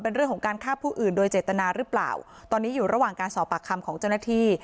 เป็นเรื่องของการฆ่าผู้อื่นโดยเจตนาหรือเปล่าตอนนี้อยู่ระหว่างการสอบปากคำของเจ้าหน้าที่